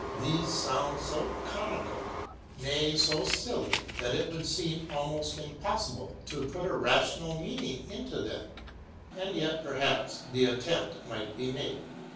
These sound so comical, nay, so silly, that it would seem almost impossible to put a rational meaning into them; and yet, perhaps, the attempt might be made.